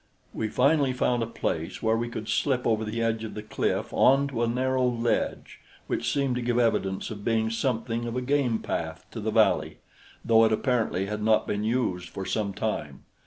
We finally found a place where we could slip over the edge of the cliff onto a narrow ledge which seemed to give evidence of being something of a game path to the valley, though it apparently had not been used for some time.